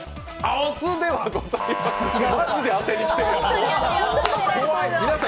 お酢ではございません。